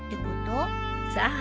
さあ。